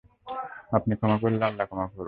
আপনি ক্ষমা করলেই আল্লাহ ক্ষমা করবেন।